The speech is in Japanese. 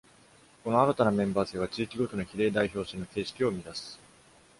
この新たなメンバー制は、地域ごとの比例代表制の形式を生み出す。